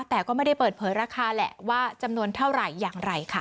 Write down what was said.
แต่ก็ไม่ได้เปิดเผยราคาแหละว่าจำนวนเท่าไหร่อย่างไรค่ะ